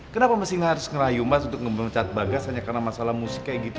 kenapa mesti nggak harus ngerayumas untuk ngecat bagas hanya karena masalah musik kayak gitu